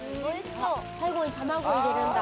最後に卵入れるんだ。